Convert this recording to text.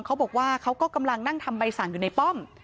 เขาก็กำลังนั่งทำใบสั่งอยู่ในป้อม